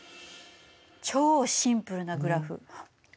超シンプルなグラフ。